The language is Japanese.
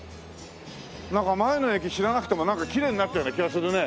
なんか前の駅知らなくてもきれいになったような気がするね。